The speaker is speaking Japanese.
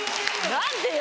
何でよ？